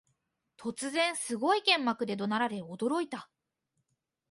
突然、すごい剣幕で怒鳴られ驚いた